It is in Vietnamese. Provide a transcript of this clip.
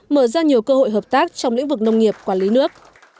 mở ra nhiều cơ hội hợp tác trong lĩnh vực nông nghiệp quản lý nước